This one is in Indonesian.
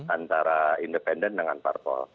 antara independen dengan parpol